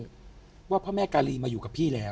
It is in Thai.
เพราะว่าพระแม่กาลีมาอยู่กับพี่แล้ว